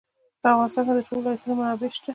په افغانستان کې د ټولو ولایتونو منابع شته.